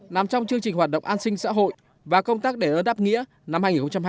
nằm trong chương trình hoạt động an sinh xã hội và công tác để ơn đáp nghĩa năm hai nghìn hai mươi bốn